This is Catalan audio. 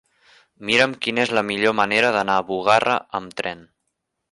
Mira'm quina és la millor manera d'anar a Bugarra amb tren.